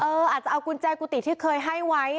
อาจจะเอากุญแจกุฏิที่เคยให้ไว้